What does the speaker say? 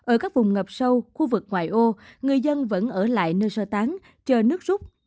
ở các vùng ngập sâu khu vực ngoại ô người dân vẫn ở lại nơi sơ tán chờ nước rút